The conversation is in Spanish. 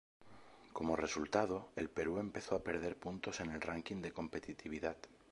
Como resultado, el Perú empezó a perder puntos en el ranking de competitividad.